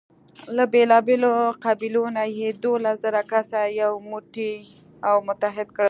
له بېلابېلو قبیلو نه یې دولس زره کسه یو موټی او متحد کړل.